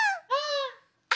「あ！」。